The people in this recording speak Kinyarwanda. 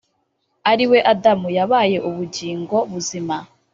ariwe adamu, yabaye ubugingo buzima;